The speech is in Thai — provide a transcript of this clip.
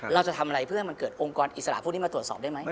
เราจะทำอะไรเพื่อให้มันเกิดองค์กรอิสระพวกนี้มาตรวจสอบได้ไหม